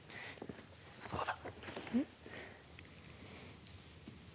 そうだ。